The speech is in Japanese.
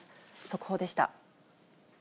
速報でした。